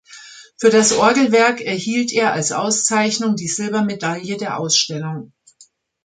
Für das Orgelwerk erhielt er als Auszeichnung die Silbermedaille der Ausstellung.